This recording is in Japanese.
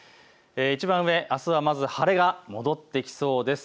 いちばん上、あすはまず晴れ間が戻ってきそうです。